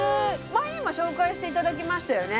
前にも紹介していただきましたよね